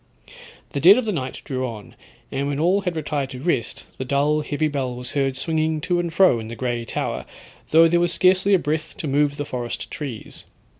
The dead of the night drew on, and when all had retired to rest, the dull heavy bell was heard swinging to and fro in the grey tower, though there was scarcely a breath to move the forest trees.